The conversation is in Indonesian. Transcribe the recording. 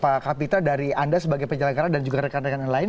pak kapita dari anda sebagai penyelenggara dan juga rekan rekan yang lain